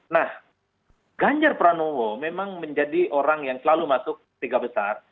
nah ganjar pranowo memang menjadi orang yang selalu masuk tiga besar